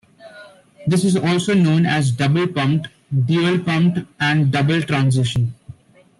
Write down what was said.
This is also known as double pumped, dual-pumped, and double transition.